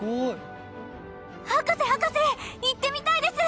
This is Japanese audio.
博士博士行ってみたいです！